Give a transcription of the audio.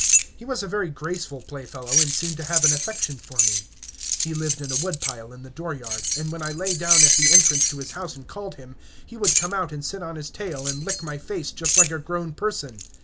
He was a very graceful playfellow, and seemed to have an affection for me. He lived in a wood pile in the dooryard, and when I lay down at the entrance to his house and called him, he would come out and sit on his tail and lick my face just like a grown person.